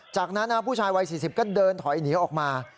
จากนั้นผู้ชายวัย๔๐ก็เดินถอยหนีออกมา